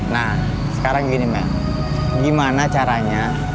nah sekarang gini mbak gimana caranya